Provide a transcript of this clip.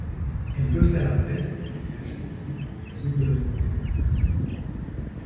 Elle peut faire appel à des experts choisis en raison de leur compétence.